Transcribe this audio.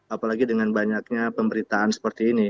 apalagi dengan banyaknya pemberitaan seperti ini